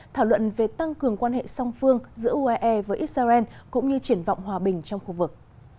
thảo luận về tăng cường quan hệ song phương giữa uae với israel cũng như triển vọng hòa bình trong khu vực